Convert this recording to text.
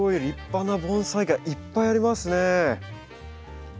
立派な盆栽がいっぱいありますね。